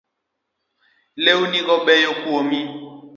Lewni go beyo kuomi